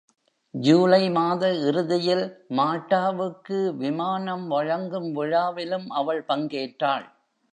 ஜூலை மாத இறுதியில், மால்டாவுக்கு விமானம் வழங்கும் விழாவிலும் அவள் பங்கேற்றாள்.